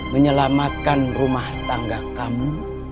menyelamatkan rumah tangga kamu